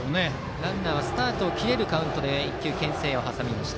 ランナーはスタートを切れるカウントで１球、けん制を挟みました。